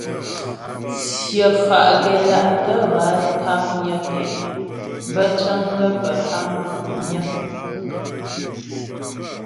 Tsyə fá́ gɛla'tə bə́ á taknyə tɛ', bə́ cəŋgaə́ pə́ ha mku' myə.